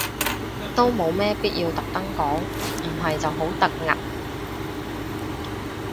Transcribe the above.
都冇咩必要特登講，唔係就好突兀